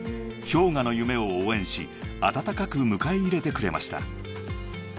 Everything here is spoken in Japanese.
［ＨｙＯｇＡの夢を応援し温かく迎え入れてくれました］